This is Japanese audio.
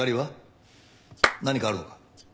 何かあるのか？